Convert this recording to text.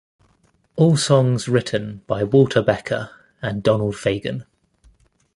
All songs written by Walter Becker and Donald Fagen.